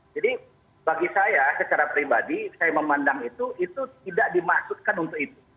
jadi bagi saya secara pribadi saya memandang itu itu tidak dimaksudkan untuk itu